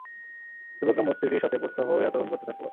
যুবকরা মূর্তিটির সাথে প্রত্যহ ঐ আচরণ করতে থাকল।